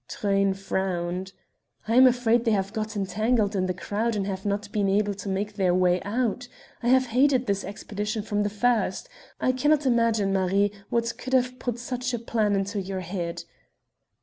Truyn frowned. "I am afraid they have got entangled in the crowd and have not been able to make their way out. I have hated this expedition from the first. I cannot imagine, Marie, what could have put such a plan into your head...."